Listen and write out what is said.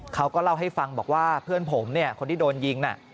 เขาก็เล่าให้ฟังบอกว่าเพื่อนผมเนี่ยคนที่โดนยิงน่ะ